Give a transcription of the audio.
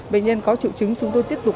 bệnh nhân có triệu chứng chúng tôi tiếp tục